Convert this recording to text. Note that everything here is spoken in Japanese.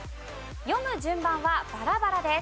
読む順番はバラバラです。